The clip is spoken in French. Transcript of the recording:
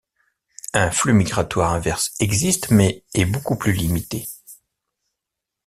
Un flux migratoire inverse existe, mais est beaucoup plus limité.